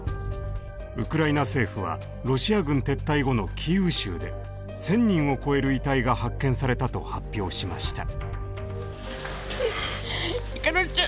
ウクライナ政府はロシア軍撤退後のキーウ州で１，０００人を超える遺体が発見されたと発表しました。